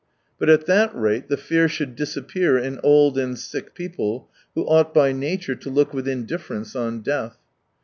But alt that rate the fear should disappear in old and sick people, who ought by nature to look with indifference on death.